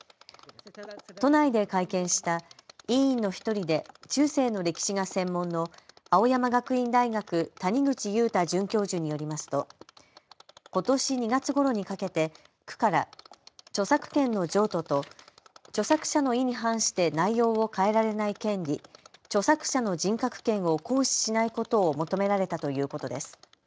都内で会見した委員の１人で中世の歴史が専門の青山学院大学谷口雄太准教授によりますとことし２月ごろにかけて区から著作権の譲渡と著作者の意に反して内容を変えられない権利・著作者の人格権を行使しないことを求められたということです。